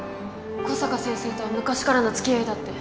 小坂先生とは昔からの付き合いだって。